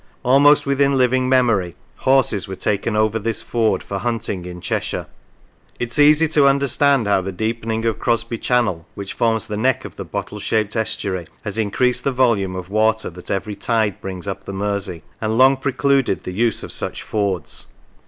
Almost within living memory horses were taken over this ford for hunting in Cheshire. It is easy to understand how the deepening of Crosby Channel, which forms the neck of the bottle shaped estuary, has increased the volume of water that every tide brings up the Mersey, and long precluded the use of such fords.